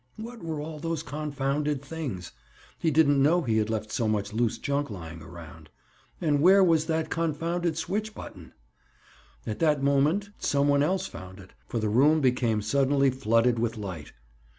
What were all those confounded things? He didn't know he had left so much loose junk lying around. And where was that confounded switch button? At that moment some one else found it, for the room became suddenly flooded with light.